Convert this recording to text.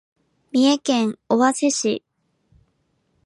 三重県尾鷲市